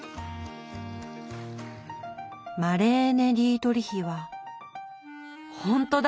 マレーネ・ディートリヒはほんとだ！